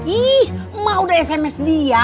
ih emak udah sms dia